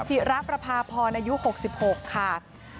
ธิระประพาพรอายุ๖๖ค่ะ